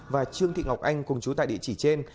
và trương thị ngọc anh cùng chú tại địa chỉ trên